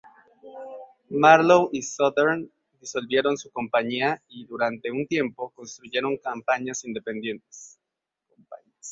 Marlowe y Sothern disolvieron su compañía y, durante un tiempo, constituyeron compañías independientes.